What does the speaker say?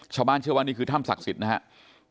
ชาวบ้านเชื่อว่านี่คือถ้ำศักดิ์สิทธิ์นะครับ